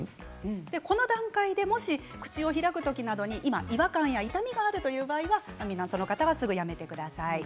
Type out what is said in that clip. この段階でもし口を開く時などに違和感や痛みがあるという場合はその方は、すぐにやめてください。